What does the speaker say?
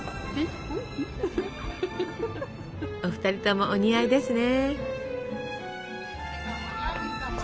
お２人ともお似合いですね。